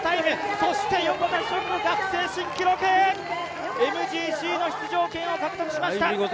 そして横田、学生新記録！ＭＧＣ出場権を獲得しました。